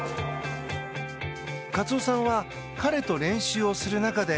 カツオさんは彼と練習をする中で